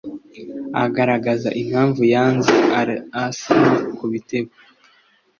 agaragaza impamvu yanze Arsenal kubitego